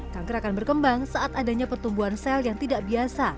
kanker akan berkembang saat adanya pertumbuhan sel yang tidak biasa